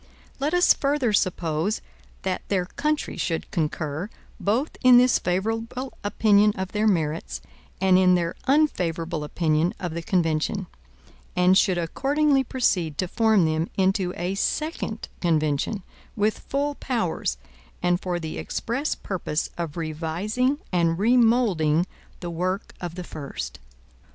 Let us further suppose that their country should concur, both in this favorable opinion of their merits, and in their unfavorable opinion of the convention; and should accordingly proceed to form them into a second convention, with full powers, and for the express purpose of revising and remoulding the work of the first.